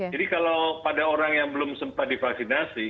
jadi kalau pada orang yang belum sempat divaksinasi